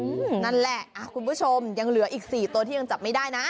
นั่นแหละคุณผู้ชมยังเหลืออีกสี่ตัวที่ยังจับไม่ได้นะ